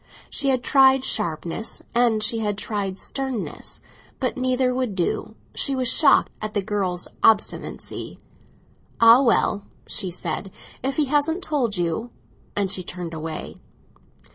She had tried sharpness, and she had tried sternness: but neither would do; she was shocked at the girl's obstinacy. "Ah, well," she said, "if he hasn't told you! ..." and she turned away.